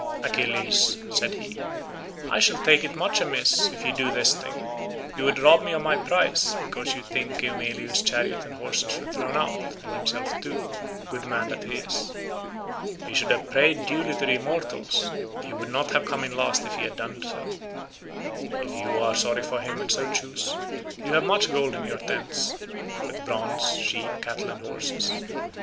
"Achilles," said he, "I shall take it much amiss if you do this thing; you would rob me of my prize, because you think Eumelus's chariot and horses were thrown out, and himself too, good man that he is. He should have prayed duly to the immortals; he would not have come in last if he had done so. If you are sorry for him and so choose, you have much gold in your tents, with bronze, sheep, cattle and horses.